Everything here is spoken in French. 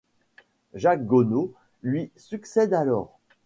Jacques Gonot lui succède alors.